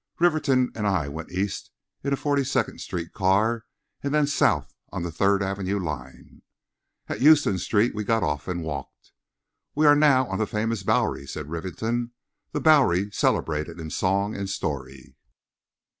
Rivington and I went east in a Forty second street car and then south on the Third avenue line. At Houston street we got off and walked. "We are now on the famous Bowery," said Rivington; "the Bowery celebrated in song and story."